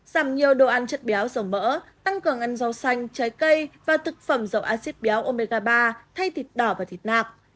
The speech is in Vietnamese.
giảm nhiều đồ ăn chất béo dầu mỡ tăng cường ăn rau xanh trái cây và thực phẩm dầu acid béo omega ba thay thịt đỏ và thịt nạc